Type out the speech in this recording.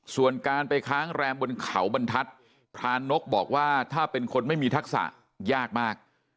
ส่วนการไปค้างแรมบนเขาบรรทัศน์พรานกบอกว่าถ้าเป็นคนไม่มีทักษะยากมาก